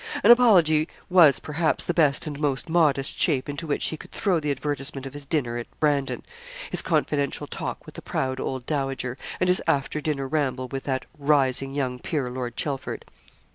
An apology was, perhaps, the best and most modest shape into which he could throw the advertisement of his dinner at Brandon his confidential talk with the proud old dowager, and his after dinner ramble with that rising young peer, Lord Chelford.